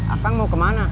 akang mau kemana